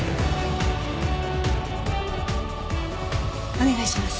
お願いします。